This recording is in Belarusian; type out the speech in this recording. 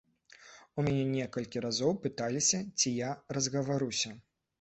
У мяне некалькі разоў пыталіся, ці я разгаваруся.